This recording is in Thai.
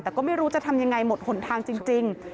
แต่ก็ไม่รู้จะทำยังไงหมดหนทางจริง